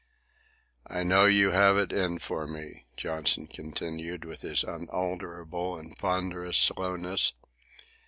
"I know you have it in for me," Johnson continued with his unalterable and ponderous slowness.